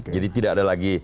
jadi tidak ada lagi